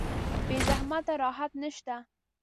بې زحمته راحت نشته.